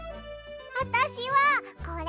あたしはこれ！